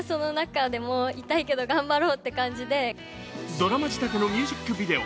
ドラマ仕立てのミュージックビデオ。